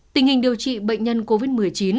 tình hình điều trị bệnh nhân covid một mươi chín